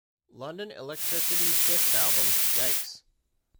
London Elektricity's fifth album, Yikes!